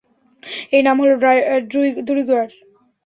এর নাম হলো- দ্রুইগর।